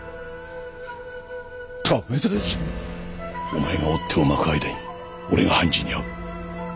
お前が追っ手をまく間に俺が半次に会う。